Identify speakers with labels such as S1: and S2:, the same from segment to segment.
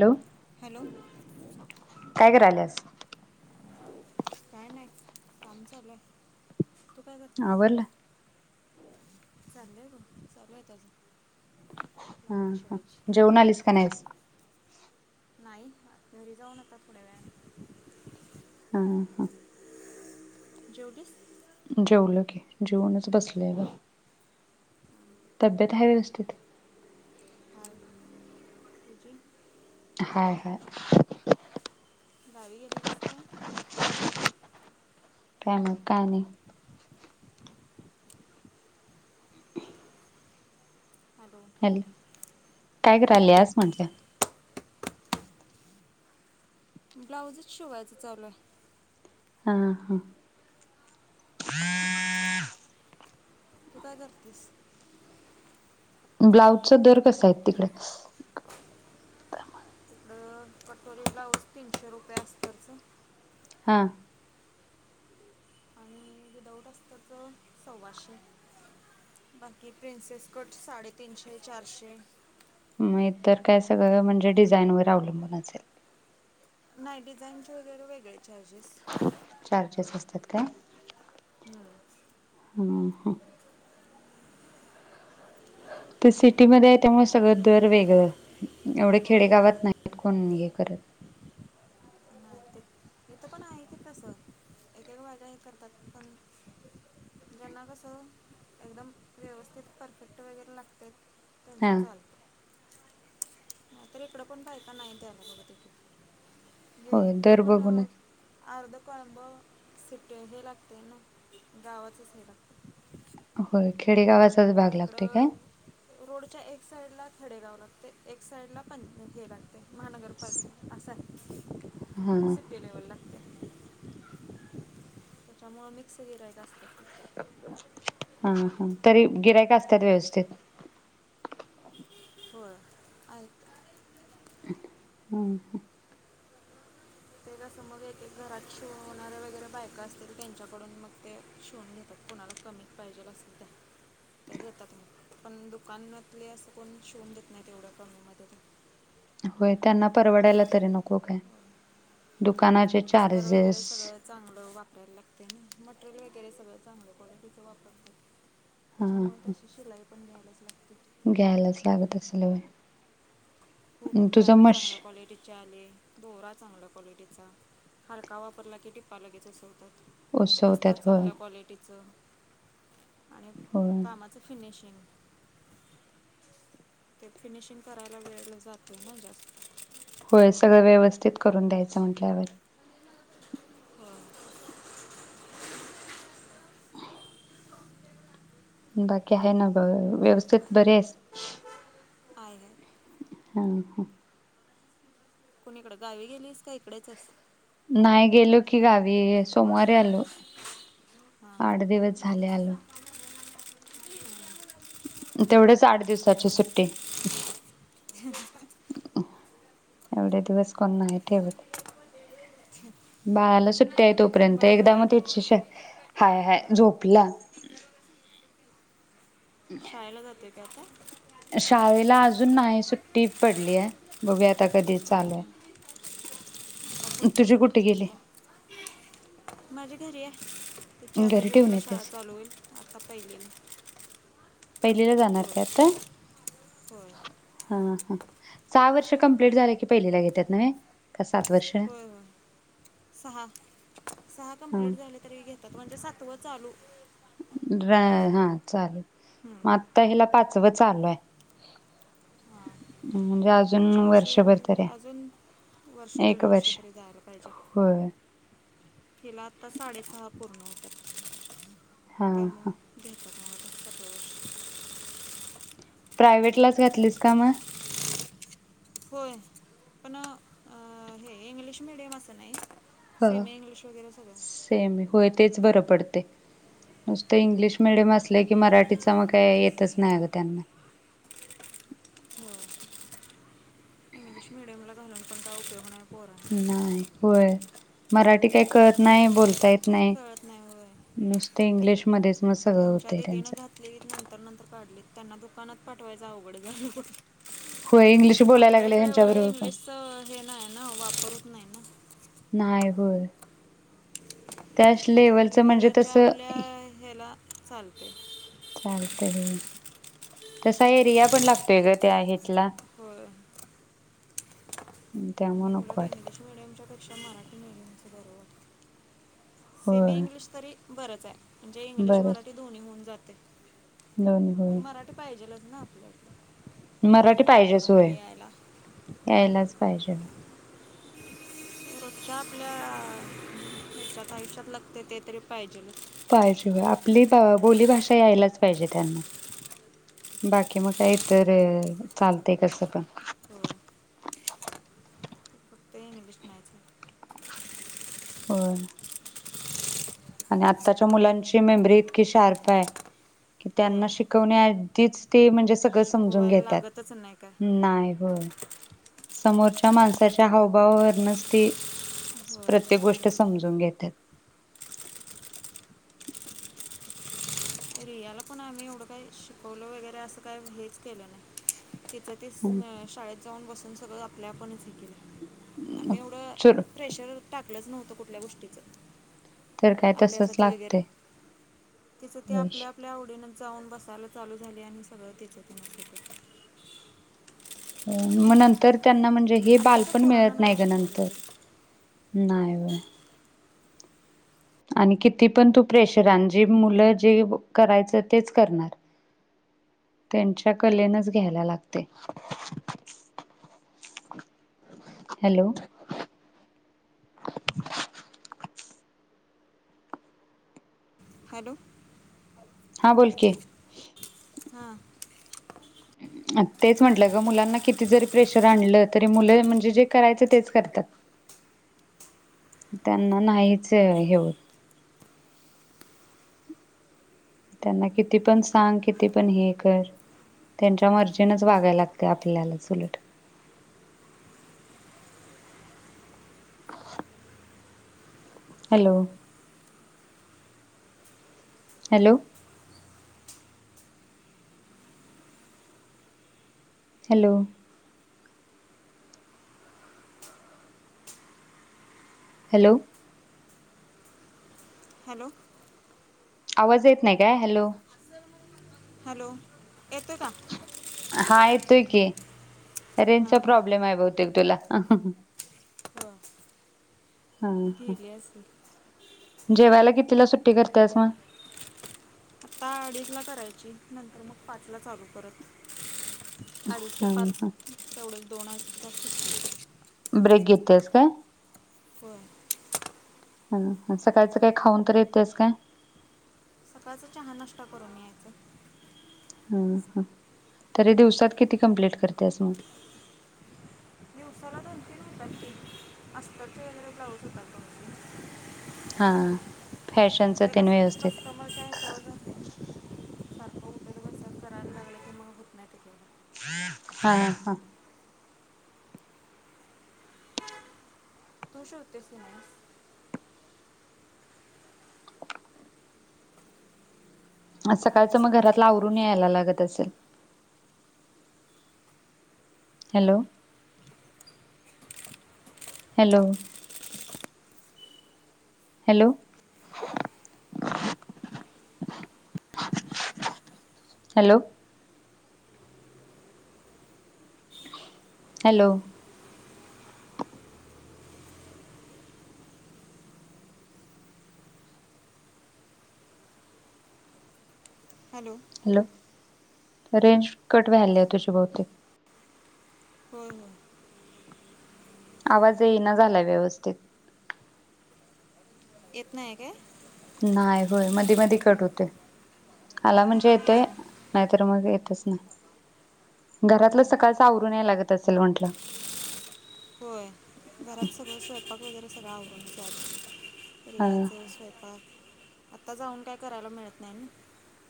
S1: Hello
S2: hello
S1: काय कराल्यात? [inaudible]
S2: काय नाही काम चालू आहे.
S1: आवरलं.
S2: चालय बग चालू आहेत अजून.
S1: हाहा जेवून आलीस का नाहीस.
S2: नाही घरी जाऊन आता थोड्या वेळानं
S1: हा हा हं!
S2: जेवलीस?
S1: जेवलं की जेऊनच बसलंय ग, तब्येत हाय व्यवस्थित.
S2: [unintelligible]
S1: हाय हाय.
S2: गावी गेलेलीस का?
S1: काय नाही, काय नाही. ह [inaudible]
S2: हॅलो.
S1: काय कराल्यास म्हटलं.
S2: ब्लाऊजच शिवायच चालू आहे,
S1: हा हा!
S2: तू काय करतेस.
S1: ब्लाउजचा दर कसा आहे तिकडे?
S2: ब्लॉउज तीनशे रुपये अस्तरच
S1: हां!
S2: आणि विदाऊट अस्तरच सव्वाशे, बाकी प्रिन्सेस कट साडेतीनशे चारशे.
S1: मं इतर काय सगळं म्हणजे, डिझाईन वर अवलंबून असेल.
S2: नाही डिझाईनचे वगैरे वेगळे. चार्जेस
S1: चार्जेस असतात काय
S2: हम्म
S1: हम्म ह तर सिटीमध्येध्ये आहे त्यामुळे सगळं दर वेगळं एवढे
S2: होय
S1: खेडेगावात नाहीत कोण हे करत
S2: नाही ते इथं पण आहे की तसं एक एक वागा हे करतात पण ज्यांना कस एकदम व्यवस्थित परफेक्ट वगैरे लागते त्यांच
S1: हा.
S2: चालतं तर इकड पण बायका नाही त्या देील ग
S1: होय
S2: इकडं
S1: दर
S2: पण
S1: बघूनच
S2: अर्ध कळंब सिट्टे हे लागते ना गावातच हे लागते
S1: हो खेडे गावा
S2: इकड रोडच्या एक साइड ला खडेगाव लागते एक साईडला पंचख हे लागते महानगरपालिका असा आहे सि्टी लेवल लागते त्याच्यामुळे मिकस गिराय का असतात तिकडे
S1: हा हा तरी गिरायक असतात व्यवस्थित
S2: वळ आ
S1: हम् ह
S2: वकासं मग एक एक घरात शिवणार्या वगैरे बायकां असतील तर त्यांच्याकडून मग ते शिवून घेतात कोणाला कमी पाहिजेला सुध्या का देतात म- पण दुकानातले असं कोण शिवून देत नाहीत तेवढ्या कमीमध्ये ते
S1: होय त्यांना परवडायला तरी नको काय दु-
S2: अस्तर वगैरे सगळं चांगलं वापरायला लागते ना मटेरियल वगैरे सगळ्या चांगल्या क्वालिटीचा वापर करात-
S1: हां हां
S2: त्याच्यामध्ये सुश ला आहे
S1: घ्यायलाच लागत असेल वय
S2: खूप त्यात चांगल्या क्वालिटीचे आले दोरा चांगल्या क्वालिटीचा हलका वापरला की टिप्पा लगेच असं असत
S1: उसवत्यात होय
S2: चांगल्या क्वालिटीचं आणि
S1: होय.
S2: कामाचं फिनिशिंग ते फिनिशिंग करायला वेळ जातं ना जास्त
S1: होय सगळं व्यवस्थित करून द्यायचं म्हटल्यावर
S2: हो आहे
S1: बाकी आहे ना व्यवस्थेत बरे आहेस
S2: आहे
S1: हा ह
S2: कोुणी इकडं गावी गेलीस का इकडेचच
S1: नाही गेलो की गावी सोमवारी आलो
S2: हां
S1: आठ
S2: हां
S1: दिवस झाले आलो तेवढच आठ दिवसाची सुट्टी एवढे दिवस कोण नाही ठेवत बाळाला सुट्टी आहेत त- यंत
S2: बाळवर
S1: एकदा म
S2: आहे काय
S1: श हाय हाय
S2: हां
S1: झोपला
S2: शाळेला जाते. त्यात अ.
S1: शाळेला अजून नाही सुट्टी पडली आहे बघूया आता कधी चालू आहे.
S2: हां. आता पुढच्या
S1: तुझी कुठे गेली
S2: जूनला माझे. घरी आहे. त्याची आता
S1: घरी
S2: जून
S1: ठेवून
S2: ला शाळा
S1: येतेस
S2: चालू होईल आता. पहिलीला.
S1: पहिलीला जाणार ती आता
S2: होय होय
S1: हा. सहा वर्ष कम्प्लीट झालं की पहिलीला घेत्यात नव्हे. सात वर्ष
S2: होय होय सहा सहा
S1: हां
S2: कंप्लीट झाले तरी घेतात म्हणजे सात.... सातव चालू.
S1: ड्राय हा चालल.
S2: हम्म.
S1: मग आता हिला पाच. तवा चालु आहे.
S2: हां
S1: म्हणजे अजून
S2: पुढच्या वर्षी
S1: वर्षभर तरी
S2: अजून वर्ष,
S1: आहे
S2: दीड
S1: एक
S2: वर्ष तरी जायला पाहिजे.
S1: होय
S2: तिला आता साडेसहा पूर्ण होतात.
S1: हां हां
S2: त्यामुळे भेटू. [inaudible]
S1: प्रायव्हेटलाच घातलीस का मग....
S2: होय पण अ हे इंग्लिश मिडियम असं नाही.
S1: ह
S2: सेमी इंग्लिश वगैरे सगळं
S1: सेमी होय तेच बरं पडतयं नुसत इंग्लिश मिडियम असलं की मराठीच मग काय येतच नाही अगं त्यांना.
S2: होय इंग्लिश मीडियम ला घालून पण काय उपयोग नाही. पोरांना
S1: नाही होय मराठी काय... कळत नाही बोलता येत नाही.
S2: कळत नाही होय
S1: नुसते इंग्लिशमध्येच मग
S2: ते
S1: सगळं
S2: आमच्या
S1: होतंय
S2: दीदीन
S1: त्यांचं
S2: घातलेली नंतर नंतर काढलीत त्यांना दुकानात... पाठवायचं अवघड झालं.
S1: होय इंग्लिश बोलायला
S2: आपल्या
S1: लागले
S2: इकडं एवढं
S1: ह्यांच्याबरोबर पण
S2: इंग्लिशच हे नाही ना वापरच नाही ना.
S1: नाही होय त्या लेवलचं म्हणजे तसं
S2: चालतय.
S1: चालतयं होय. तसा एरिया पण लागतोय ग त्या हेटला.
S2: होय आणि
S1: त्यामुळे नको वाटतयं.
S2: त्यापेक्षा मराठी मिडीयमच बरं वाटतंय. सेमी
S1: होय
S2: इंग्लिश तरी. बरंच आहे. म्हणजे इंग्लिश
S1: बरंच
S2: मराठी दोन्ही होऊन जातय. [inaudible]
S1: [unintelligible]
S2: न आपल्याकडं
S1: मराठी पाहिजेच होय यायलाच पाहिजे
S2: रोजच्या आपल्या हच्यात आयुष्यात लागते ते तरी पाहिजेलच
S1: पाहिजे आपली बोलीभाषा यायलाच पाहिजे त्यांना बाकी मग काय तर चालतय कसं पण
S2: होय फक्त इंग्लिश नाहीच आहे.
S1: होय आणि आताच्या मुलांची मेमरी इतकी शार्प आहे की त्यांना
S2: होय
S1: शिकवण्या आधीच ते म्हणजे सगळ समजून
S2: शिकवायला
S1: घेतात
S2: लागतच नाही काय
S1: नाही होय समोरच्या माणसाच्या हावभावावरूनच ती
S2: होय
S1: प्रत्येक गोष्ट समजून घेतात
S2: रियाला पण आम्ही एवढं काही शिकवल वगैरे असं काय हेच केलं नाही तिचं तीच शाळेत जाऊन बस सगळं आपल्या आपणच आम्ही एवढं
S1: चल
S2: प्रेशर टाक ऐकलंच नव्हतं कुठल्या गोष्टीचं
S1: तर काय तसच
S2: अभ्यासाचं वगैरे
S1: लागतय हो
S2: आवडीन जाऊन बसायला चालू झाली आणि सगळं तिचं तिनच केल
S1: मग नंतर त्यांना म्हणजे हे
S2: आत्ताच्या
S1: बालपण
S2: पोरांना
S1: मिळत नाही गं
S2: शिकवायला
S1: नंतर
S2: लागत
S1: नाही व्हय आणि किती पण तू प्रेशर आण जी मुलं जे करायच तेच करणार त्यांच्या कलेनच घ्यायला लागतय हॅलो
S2: हॅलो
S1: हा बोल की
S2: हा
S1: तेच म्हंटलं ग मुलांना किती जरी प्रेशर आणलं तरी मुलं म्हणजे जे करायचं तेच करतात त्यांना नाहीच हे होत त्यांना किती पण सांग किती पण हे कर त्यांच्या मर्जीनच वागायला लागतयं आपल्यालाच उलट hello hello hello hello
S2: hello
S1: आवाज येत नाही काय हॅलो
S2: हॅलो येतोय का
S1: हा येतोय की
S2: हां
S1: रेंजचा प्रॉब्लेम आहे बहुतेक तुला
S2: हो
S1: हा हा
S2: गेली असेल
S1: जेवायला कितीला सु '--' [unintelligible] करतेस मग
S2: आता [inaudible] अडीच ला करायची नंतर मग पाच ला चालू करत [inaudible] अडीच ते
S1: हा
S2: पाच
S1: हा
S2: एवढी [inaudible] दोनं अडीच वाजतय [inaudible] [unintelligible]
S1: ब्रेक घेतेस काय
S2: होय [inaudible]
S1: ह -ह सकाळच काही खाऊन तर येतेस काय
S2: सकाळच चहा नष्ट करून यायचं [inaudible]
S1: ह ह तरी दिवसात किती कम्प्लीट कर्त्यास मग
S2: दिवसाला दोन-तीन होतात [inaudible] घरचे वगैरे [inaudible] ब्लाउज शिवायला तो [unintelligible]
S1: हा फॅशनच
S2: कस्टमरचा हे [inaudible] ब्लाऊज आहे [unintelligible] नाही टिकायला
S1: [inaudible] हा हा
S2: तू शिवतेस का नाहीस [inaudible]
S1: आज सकाळच मग घरातला आवरून यायला लागत असेल hello hello hello [inaudible] hello hello [inaudible]
S2: [inaudible] hello
S1: hello range cut वायली आहे तुझी बहुतेक
S2: होय होय
S1: आवाज येईना झालाय व्यवस्थित
S2: येत नाय काय [inaudible]
S1: नाही होय मधी मधी कट होते आला म्हणजे
S2: हां
S1: येतोय
S2: हां
S1: नाहीतर -मग येतच नाही घरातलं
S2: हां
S1: सकाळच आवरून यायला लागत असेल म्हंटलं
S2: होय घरात [inaudible] सगळं स्वयंपाक वगैरे [inaudible] सगळ आवरूनच यायचं [inaudible]
S1: हा
S2: रियाच स्वयंपाक [inaudible] आता जाऊन काय करायला मिळत नाही ना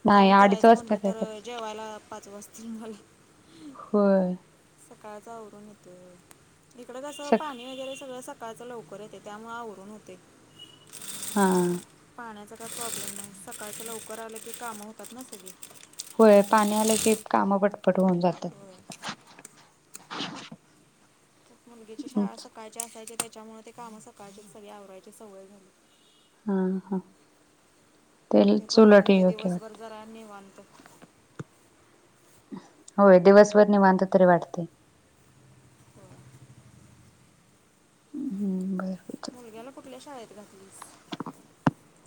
S1: नाही
S2: जाऊन
S1: अडीच
S2: करायचं
S1: वाजता
S2: म्हटलं
S1: काय
S2: तर
S1: करायचं
S2: जेवायला पाच वाजता '--' जिगला [unintelligible]
S1: होय
S2: सकाळचा वरून येतोय ओ '--' इकड कस [inaudible]
S1: सक
S2: पाणी वगैरे सगळ सकाळी सकाळच - लवकर येते त्यामुळे आवरून होते [inaudible]
S1: हा
S2: खाण्याचा काही [inaudible] प्रॉब्लेम नाही सकाळच लवकर आलं की कामं होतात ना सगळे
S1: होय पाणी आलं कि काम पटपट होऊन
S2: होय
S1: जातात [inaudible]
S2: मुलगीची शाळा सकाळची असायची'--' [inaudible] त्यामुळे ते काम सकाळची सगळी आवरायची सवय झाल्या.
S1: ह हा ते
S2: हे बर
S1: चुलट
S2: पडतय
S1: योग्य
S2: दिवसभर
S1: वाटते
S2: जरा निवांत
S1: होय दिवसभर निवांत तरी वाटते.
S2: होय.
S1: हम्म बर
S2: मुलग्याला कुठल्या शाळेत घातलीस.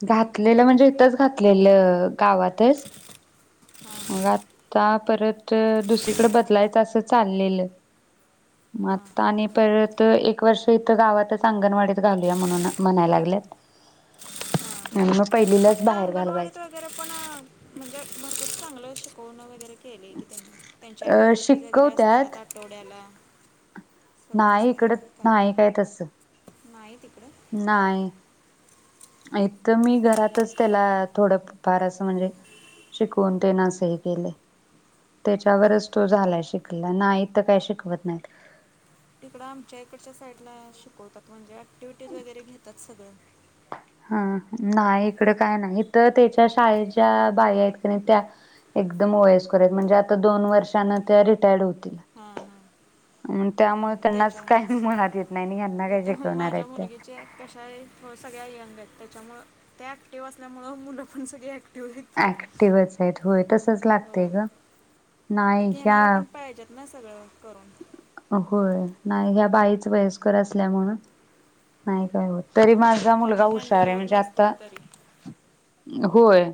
S1: घातलेलं म्हणजे इथंच घातलेलं गावातच.
S2: हां
S1: मग आता परत दुसरीकडे बदलायचं असं चाललेलं मग
S2: हां हां
S1: आता आणि परत एक वर्ष इथं गावातच अंगणवाडीत घालूया म्हणून म्हणायला लागल्यात
S2: हां
S1: आणि मग पहिलीलाच
S2: आता
S1: बाहेर
S2: अंगणवाडीत
S1: घालवायचं.
S2: वगैरे पण म्हणजे म चांगलं फोन वगैरे केले की त्यांनी त्यांच्या
S1: अ
S2: ॲक्टिव्हिटीज वगैरे
S1: शिकवत्यात
S2: असतात. आठवड्याला
S1: नाही इकड नाही काय तस
S2: नाही तिकडं
S1: नाही. आ तर मी घरातच त्याला थोडं फार अस म्हणजे शिकवून तेन असही केलं.
S2: हां
S1: त्याच्यावरच तो
S2: हां
S1: झालाय शिक नाही तर काय शिकवत नाहीत.
S2: इकडं आमच्या इकडच्या साईडला शिकवतात. म्हणजे ॲटिव्हटीज वगैर घेतात सळं
S1: हा नाही इकडं काय नाही इथं त्याच्या शाळेच्या बाई आहेत क नाही त्या एकदम वयस्कर आहेत. म्हणजे आता दोन वर्षांान त्या रिटायर्ड होत्या.
S2: हा हा्
S1: त्यांनाच काय मुळात येत नाही आणि ह्यांना काय
S2: त्याच्यामुळेच तर
S1: शिकवणार आहेत
S2: माझ्या
S1: त्या.
S2: मुलगीचे कशा आहेो. सगळ्या त्याच्यामुळे त्या ऍक्टिव्ह असल्यामुळे मुलं पण सग
S1: ऍक्टिव्हच आहेत होय, लागते ग
S2: होय
S1: नाही ह्या,
S2: घेणारे पण पाहिजेत ना सगळं करून
S1: होय नाही ह्या बाईच वयस्कर असल्यामुळेणून नाही काय होत. तरी
S2: हां
S1: माझा मुलगा
S2: त्यांना
S1: हुशार
S2: हँडल
S1: आहे
S2: होत
S1: म्हणजे आता
S2: नसतील तरी
S1: होय.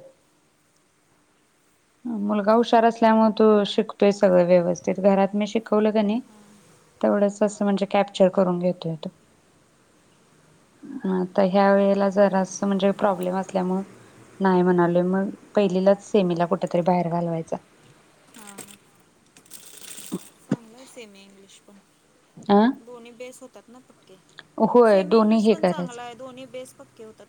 S1: मुलगा हुशार असल्यामुळे तू शिकतोय. सगळं व्यवस्थित मुलगा हुशार असल्यामुळे तो शिकतोय. सर्व व्यवस्थित घरात मी शिकवलं कनी
S2: हां
S1: तेवढ अस म्हणजे कॅप्चर करून घेतोय तू आता ह्या वेळेला जरा म्हणजे प्रॉब्लेम असल्यामुळे नाही म्हणाले मग पहिलीलाच सेमीला कुठ तरी बाहेर घालवायचा.
S2: चांगलाय सेमी इंग्लिश पण
S1: अ
S2: बोणी बेस तत ना
S1: होय
S2: सेमी
S1: दोन्ही
S2: इंग्लिश
S1: हे
S2: पण
S1: करायचं
S2: चांगला आहे. दोन्ही बेस पक्के होतात.